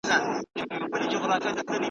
له تارونو دي را وایستل تورونه ,